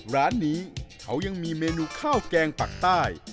ร้านนี้เขายังมีเมนูข้าวแกงปักใต้